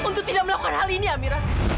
untuk tidak melakukan hal ini amira